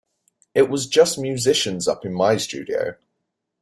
It was just musicians up in my studio!